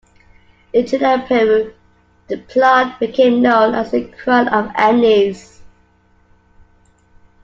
In Chile and Peru, the plant became known as Crown of the Andes.